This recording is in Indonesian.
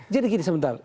jadi gini sebentar